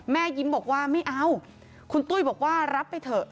แม่ยิ้มบอกว่าไม่เอาคุณตุ้ยบอกว่ารับไปเถอะ